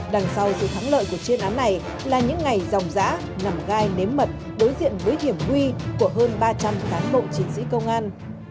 đằng sau sự thắng lợi của chuyên án này là những ngày dòng giã nằm gai nếm mật đối diện với hiểm nguy của hơn ba trăm linh cán bộ chiến sĩ công an